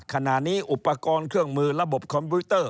ขณะนี้อุปกรณ์เครื่องมือระบบคอมพิวเตอร์